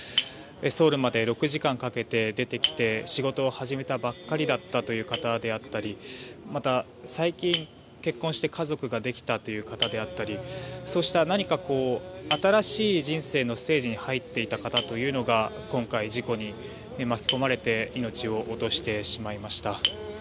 ソウルまで６時間かけて出てきて仕事を始めたばかりだったという方であったりまた最近、結婚して家族ができたという方であったりそうした、何か新しい人生のステージに入っていた方が今回、事故に巻き込まれて命を落としてしまいました。